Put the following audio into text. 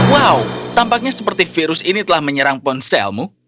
wow tampaknya seperti virus ini telah menyerang ponselmu